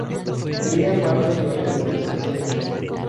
Cría macho durante la estación seca.